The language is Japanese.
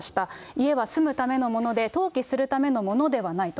家は住むためのもので、投機するためのものではないと。